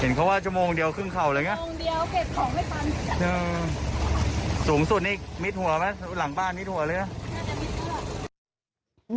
เขาว่าชั่วโมงเดียวครึ่งเข่าอะไรอย่างเงี้โมงเดียวเก็บของไม่ทันสูงสุดนี่มิดหัวไหมหลังบ้านมิดหัวเลยนะ